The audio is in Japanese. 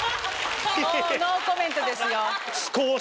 もうノーコメントですよ。